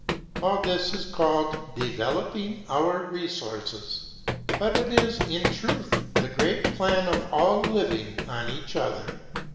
All this is called "developing our resources," but it is, in truth, the great plan of all living on each other.